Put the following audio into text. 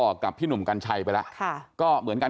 กับพี่หนุ่มกัญชัยไปแล้วก็เหมือนกัน